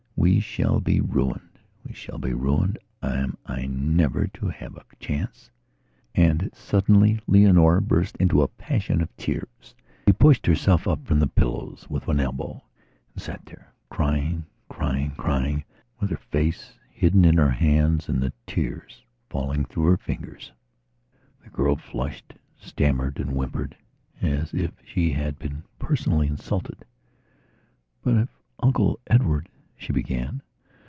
We shall be ruined. We shall be ruined. Am I never to have a chance?" And suddenly Leonora burst into a passion of tears. She pushed herself up from the pillows with one elbow and sat therecrying, crying, crying, with her face hidden in her hands and the tears falling through her fingers. The girl flushed, stammered and whimpered as if she had been personally insulted. "But if Uncle Edward..." she began.